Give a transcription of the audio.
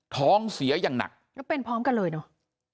ท้องเสียอย่างหนักแล้วเป็นพร้อมกันเลยเนอะ